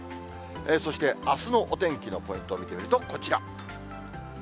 そしてあすのお天気のポイントを見てみると、こちら。